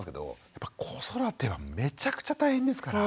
やっぱ子育てはめちゃくちゃ大変ですから。